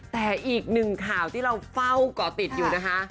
แต่อีกหนึ่งข่าวที่เราเฝ้าก่อติดอยู่นะคะ